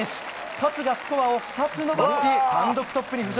勝がスコアを２つ伸ばし単独トップに浮上。